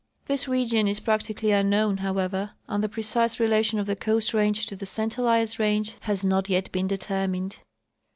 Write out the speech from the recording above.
This region is practically unknown, however, and the precise relation of the Coast range to the St Elias range has not yet been determined.